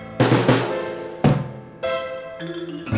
siapa yang mau nyanyi lagu